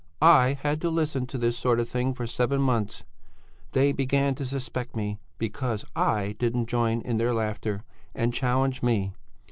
"I had to listen to this sort of thing for seven months; they began to suspect me because I didn't join in their laughter, and challenged me.